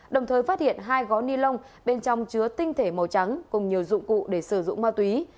đồng thời phát hiện hai gói ni lông bên trong chứa tinh thể màu trắng cùng nhiều dụng cụ để sử dụng ma túy